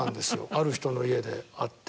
ある人の家で会って。